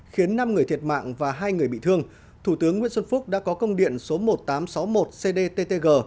khiến năm người thiệt mạng và hai người bị thương thủ tướng nguyễn xuân phúc đã có công điện số một nghìn tám trăm sáu mươi một cdttg